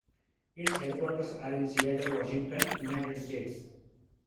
Its headquarters are in Seattle, Washington, United States.